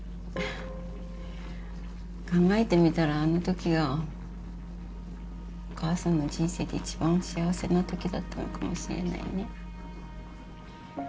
考えてみたらあのときがお母さんの人生で一番幸せな時だったのかもしれないね。